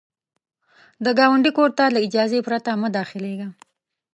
د ګاونډي کور ته له اجازې پرته مه داخلیږه